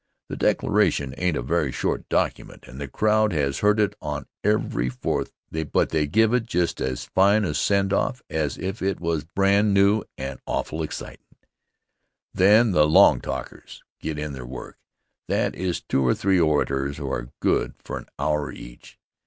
The Declaration ain't a very short document and the crowd has heard it on every Fourth but they give it just as fine a send off as if it was brand new and awful excitin'. Then the "long talkers" get in their work, that is two or three orators who are good for an hour each.